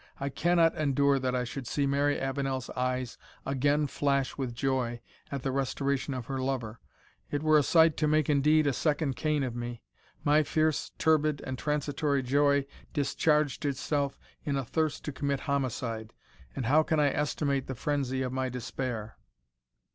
I cannot endure that I should see Mary Avenel's eyes again flash with joy at the restoration of her lover. It were a sight to make indeed a second Cain of me! My fierce, turbid, and transitory joy discharged itself in a thirst to commit homicide, and how can I estimate the frenzy of my despair?"